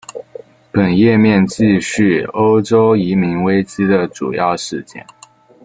本页面记叙欧洲移民危机的主要事件。